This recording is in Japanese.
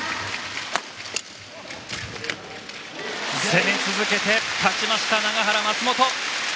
攻め続けて勝ちました永原、松本！